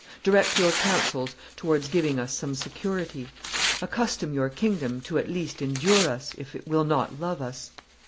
Direct your counsels towards giving us some security. Accustom your kingdom to at least endure us, if it will not love us.